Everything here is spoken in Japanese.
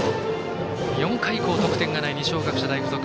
４回以降、得点がない二松学舎大付属。